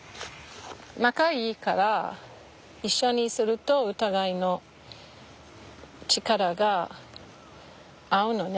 仲いいから一緒にするとお互いの力が合うのね